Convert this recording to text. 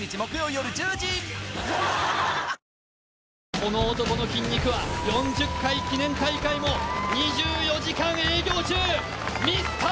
この男の筋肉は４０回記念大会も２４時間営業中、ミスター